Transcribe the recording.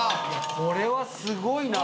これはすごいな。